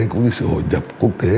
cũng như sự hội nhập quốc tế